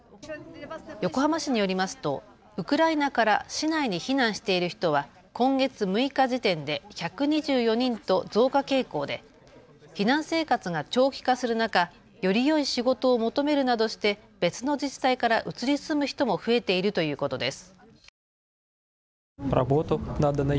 横浜市によりますとウクライナから市内に避難している人は今月６日時点で１２４人と増加傾向で避難生活が長期化する中、よりよい仕事を求めるなどして別の自治体から移り住む人も増えているということです。